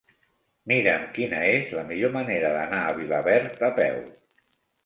Mira'm quina és la millor manera d'anar a Vilaverd a peu.